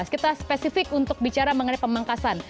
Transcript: kita spesifik untuk bicara mengenai pemangkasan